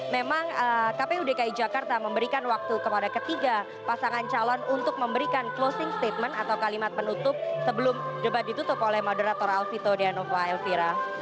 memang kpu dki jakarta memberikan waktu kepada ketiga pasangan calon untuk memberikan closing statement atau kalimat penutup sebelum debat ditutup oleh moderator alvito deanova elvira